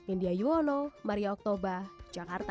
india yuwono maria oktober jakarta